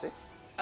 あ